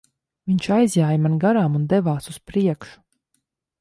Viņš aizjāja man garām un devās uz priekšu.